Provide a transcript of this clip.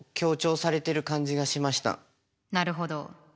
なるほど。